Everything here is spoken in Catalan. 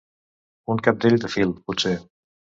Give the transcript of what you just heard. Un cabdell de fil, potser.